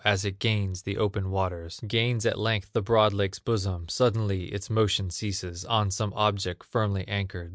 As it gains the open waters, Gains at length the broad lake's bosom, Suddenly its motion ceases, On some object firmly anchored.